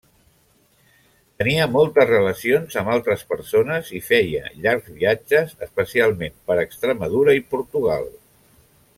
Tenia moltes relacions amb altres persones i feia llargs viatges, especialment per Extremadura i Portugal.